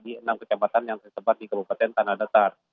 di enam kecamatan yang tersebar di kabupaten tanah datar